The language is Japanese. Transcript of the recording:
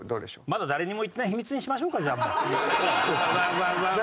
「まだ誰にも言ってない秘密」にしましょうかじゃあもう。うわうわうわうわ。